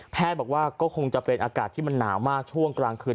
บอกว่าก็คงจะเป็นอากาศที่มันหนาวมากช่วงกลางคืน